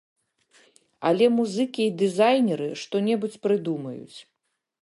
Але музыкі і дызайнеры што-небудзь прыдумаюць.